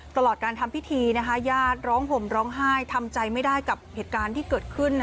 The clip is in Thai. ตลอดการทำพิธีญาติร้องห่มร้องไห้ทำใจไม่ได้กับเหตุการณ์ที่เกิดขึ้น